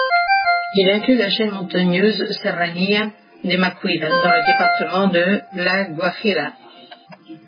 Il inclut la chaîne montagneuse serranía de Macuira dans le département de La Guajira.